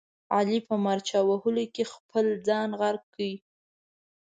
علي په مارچه وهلو کې خپل ځان غرق کړ.